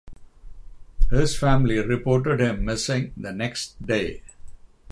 His family reported him missing the next day.